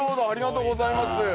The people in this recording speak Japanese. ありがとうございます。